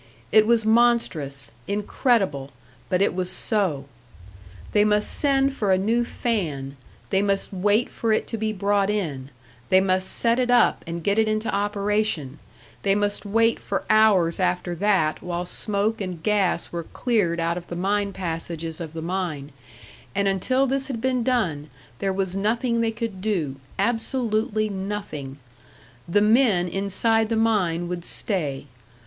It was monstrous, incredible but it was so! They must send for a new fan, they must wait for it to be brought in, they must set it up and get it into operation; they must wait for hours after that while smoke and gas were cleared out of the main passages of the mine; and until this had been done, there was nothing they could do absolutely nothing! The men inside the mine would stay.